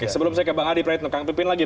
sebelum saya ke bang adi pradipin lagi